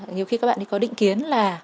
nhiều khi các bạn có định kiến là